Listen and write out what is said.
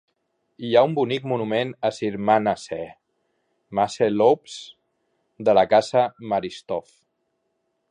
Hi ha un bonic monument a Sir Manasseh Masseh Lopes de la casa Maristow.